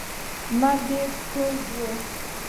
لمر ډیر تود و.